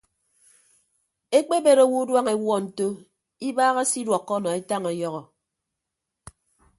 Ekpebet owo uduañ ewuọ nto ibaaha se iduọkkọ nọ etañ ọyọhọ.